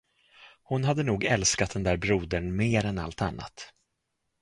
Hon hade nog älskat den där brodern mer än allt annat.